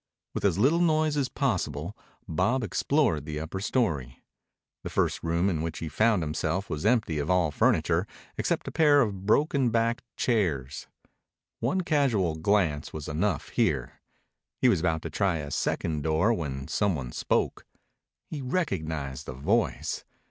With as little noise as possible Bob explored the upper story. The first room in which he found himself was empty of all furniture except a pair of broken backed chairs. One casual glance was enough here. He was about to try a second door when some one spoke. He recognized the voice.